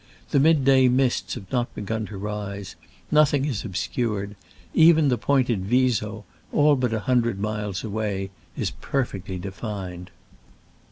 The mid day mists have not begun to rise — nothing is obscured : even the pointed Viso, all but a hundred miles away, is perfectly defined.